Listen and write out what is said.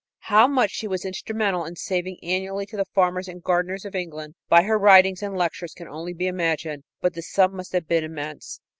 How much she was instrumental in saving annually to the farmers and gardeners of England by her writings and lectures can only be imagined, but the sum must have been immense.